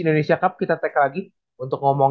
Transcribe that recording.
indonesia cup kita take lagi untuk ngomong